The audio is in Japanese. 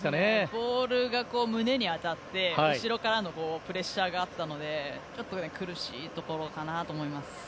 ボールが胸に当たって後ろからのプレッシャーがあったので苦しいところかなと思います。